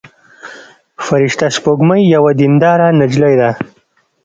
فرشته سپوږمۍ یوه دينداره نجلۍ ده.